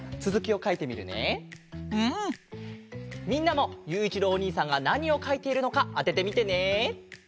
みんなもゆういちろうおにいさんがなにをかいているのかあててみてね。